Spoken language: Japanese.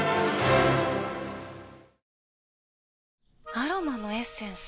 アロマのエッセンス？